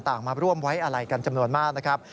มาร่วมไว้อะไรกันจำนวนมากนะครับ